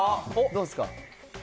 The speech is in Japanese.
どうですか？